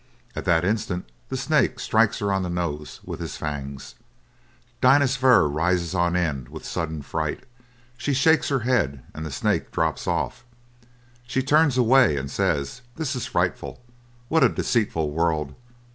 At that instant the snake strikes her on the nose with his fangs. Dinah's fur rises on end with sudden fright, she shakes her head, and the snake drops off. She turns away, and says, "This is frightful; what a deceitful world!